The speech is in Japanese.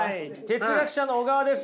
哲学者の小川です。